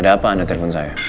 ada apa anda telepon saya